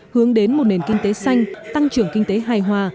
hướng đến một nền kinh tế xanh tăng trưởng kinh tế hài hòa